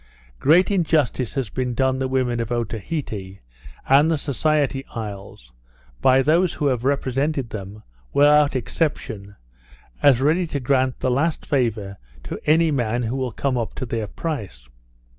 Great injustice has been done the women of Otaheite, and the Society isles, by those who have represented them, without exception, as ready to grant the last favour to any man who will come up to their price.